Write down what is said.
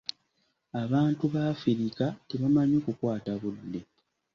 Abantu ba Afirika tebamanyi kukwata budde.